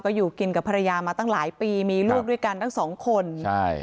อยู่กินกับภรรยามาตั้งหลายปีมีลูกด้วยกันทั้งสองคนใช่